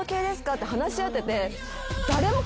って話し合ってて。